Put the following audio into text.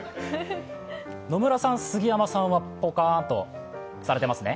野村さん、杉山さんはポカンとされてますね。